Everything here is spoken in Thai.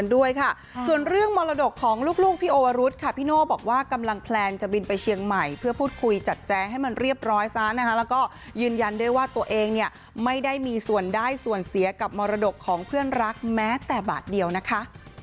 แล้วก็ยืนยันด้วยว่าตัวเองไม่ได้มีส่วนได้ส่วนเสียกับมรดกของเพื่อนรักแม้แต่บาทเดียวนะคะ